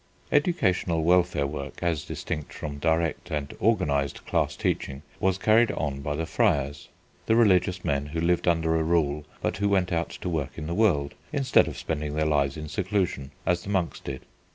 Educational welfare work, as distinct from direct and organised class teaching, was carried on by the friars, the religious men who lived under a rule but who went out to work in the world, instead of spending their lives in seclusion as the monks did.